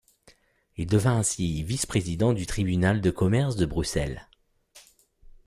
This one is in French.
Il devint ainsi vice-président du tribunal de commerce de Bruxelles.